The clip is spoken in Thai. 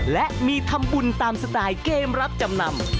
และมีทำบุญตามสไตล์เกมรับจำนำ